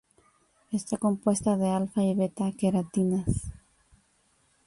Están compuestas de alfa y beta-queratinas.